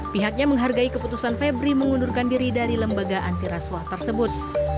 pihaknya menghargai keputusan febri mengundurkan diri dari lembaga antiraswa tersebut